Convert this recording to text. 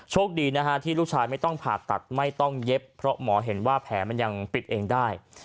โชคดีนะฮะที่ลูกชายไม่ต้องผ่าตัดไม่ต้องเย็บเพราะหมอเห็นว่าแผลมันยังปิดเองได้